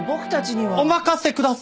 お任せください。